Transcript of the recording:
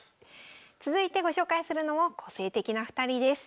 続いてご紹介するのも個性的な２人です。